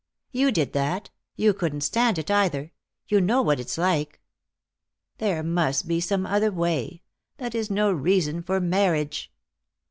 "You did that. You couldn't stand it, either. You know what it's like." "There must be some other way. That is no reason for marriage."